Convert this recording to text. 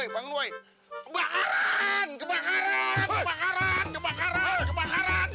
bangun woy kebakaran kebakaran